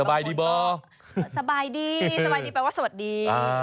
สบายดีบ่สบายดีสบายดีแปลว่าสวัสดี